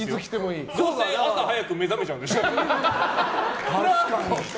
どうせ朝早く目覚めちゃうんでしょ。